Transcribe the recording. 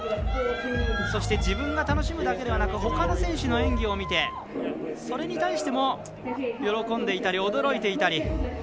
そして自分が楽しむだけではなくほかの選手の演技を見てそれに対しても、喜んでいたり驚いていたり。